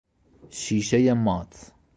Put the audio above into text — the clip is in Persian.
شیشهی مات